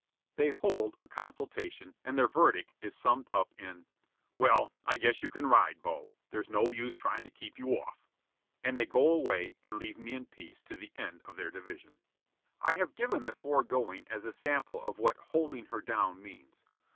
They hold a consultation, and their verdict is summed up in: "Well, I guess you can ride, Bo. There's no use trying to keep you off." And they go away and leave me in peace to the end of their division. I have given the foregoing as a sample of what "holding her down" means.